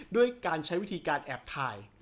ด้วยการใช้วิธีการแอบถ่าย